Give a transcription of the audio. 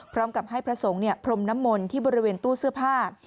พร้อมกับให้พระสงฆ์พรมน้ำมนต์ที่บริเวณตู้เสื้อผ้า